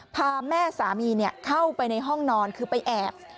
พาแม่สามีเข้าไปในห้องนอนคือไปแอบ